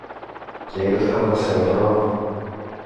και ήλθα να σε βρω.